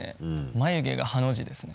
眉毛がハの字ですね。